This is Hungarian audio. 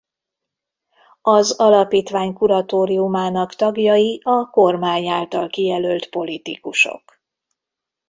Az alapítvány kuratóriumának tagjai a kormány által kijelölt politikusok.